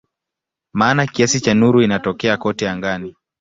Maana kiasi cha nuru inatokea kote angani.